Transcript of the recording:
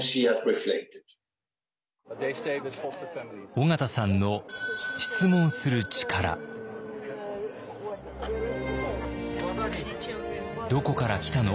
緒方さんの「どこから来たの？」